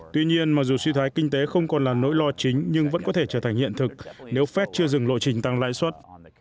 tuy nhiên mặc dù suy thoái kinh tế không còn là nỗi lo chính nhưng vẫn có thể trở thành hiện thực nếu fed chưa dừng lộ trình tăng lãi suất